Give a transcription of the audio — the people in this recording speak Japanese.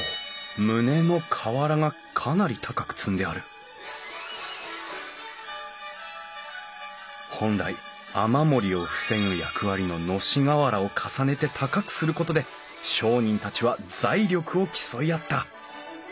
棟の瓦がかなり高く積んである本来雨漏りを防ぐ役割の熨斗瓦を重ねて高くすることで商人たちは財力を競い合った。